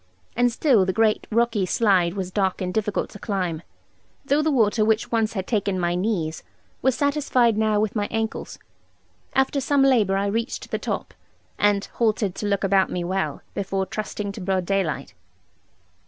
And still the great rocky slide was dark and difficult to climb; though the water, which once had taken my knees, was satisfied now with my ankles. After some labour, I reached the top; and halted to look about me well, before trusting to broad daylight.